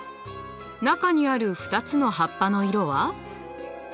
中にある２つの葉っぱの色は？